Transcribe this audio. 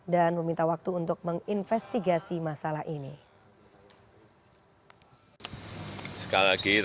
meminta waktu untuk menginvestigasi masalah ini